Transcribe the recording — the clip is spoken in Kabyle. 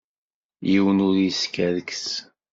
Yiwen ur yeskerkes.